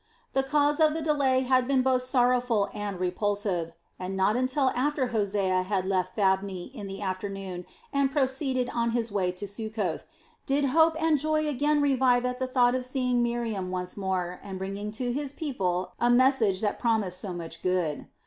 The cause of the delay had been both sorrowful and repulsive, and not until after Hosea had left Thabne in the afternoon and proceeded on his way to Succoth, did hope and joy again revive at the thought of seeing Miriam once more and bringing to his people a message that promised so much good.